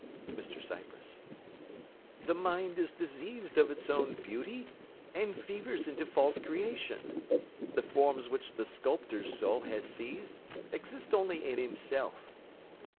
MR CYPRESS The mind is diseased of its own beauty, and fevers into false creation. The forms which the sculptor's soul has seized exist only in himself.